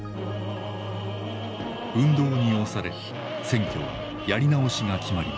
運動に押され選挙はやり直しが決まります。